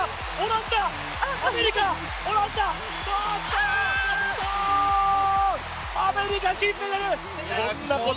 アメリカ、金メダル！